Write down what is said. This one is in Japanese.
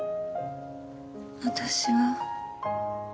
私は。